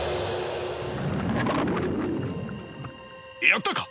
やったか？